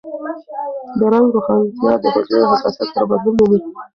د رنګ روښانتیا د حجرې حساسیت سره بدلون مومي.